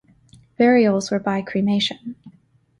Burials were by cremation.